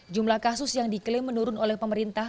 jumlah kasus yang diklaim menurun oleh pemerintah